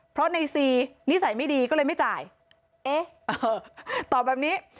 เพราะในซีนิสัยไม่ดีก็เลยไม่จ่ายเอ๊ะตอบแบบนี้